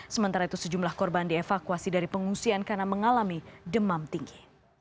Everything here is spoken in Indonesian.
sementara itu sejumlah korban dievakuasi dari pengungsian karena mengalami demam tinggi